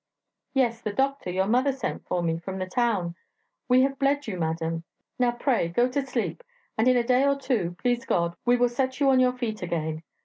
'Yes, the doctor; your mother sent for me from the town; we have bled you, madam; now pray go to sleep, and in a day or two, please God! we will set you on your feet again.'